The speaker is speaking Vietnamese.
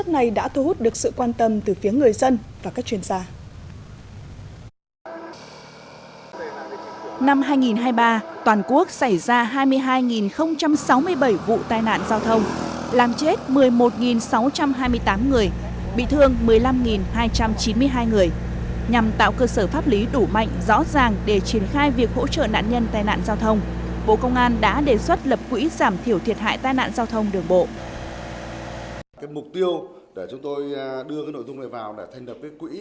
mục tiêu để chúng tôi đưa cái nội dung này vào là thành lập cái quỹ